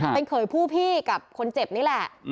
เป็นเขยผู้พี่กับคนเจ็บนี่แหละ